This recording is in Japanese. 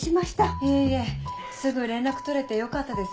いえいえすぐ連絡取れてよかったです。